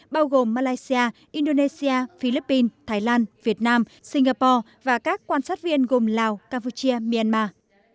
bao gồm malaysia indonesia philippines thái lan việt nam singapore và các quan sát viên gồm lào campuchia myanmar